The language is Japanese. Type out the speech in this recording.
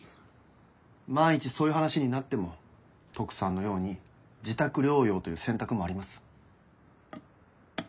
万一そういう話になってもトクさんのように自宅療養という選択もあります。